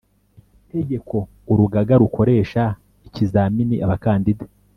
tegeko Urugaga rukoresha ikizamini abakandida